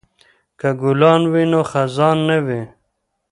که ګلان وي نو خزان نه وي.